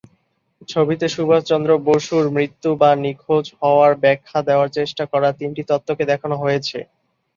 ছবিতে সুভাষ চন্দ্র বসুর মৃত্যু বা নিখোঁজ হওয়ার ব্যাখ্যা দেওয়ার চেষ্টা করা তিনটি তত্ত্বকে দেখানো হয়েছে।